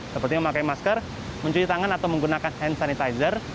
seperti memakai masker mencuci tangan atau menggunakan hand sanitizer